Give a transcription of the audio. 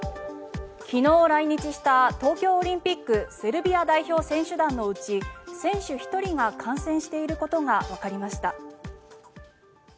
昨日来日した東京オリンピックセルビア代表選手団のうち選手１人が感染していることがわかりました。